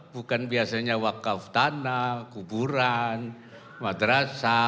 bukan biasanya wakaf tanah kuburan madrasah